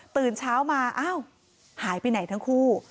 ตื่นเช้ามาอ้าวหายไปไหนทั้งคู่